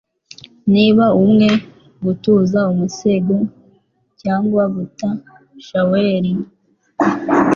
Niba umwe, gutuza umusego cyangwa guta shaweli,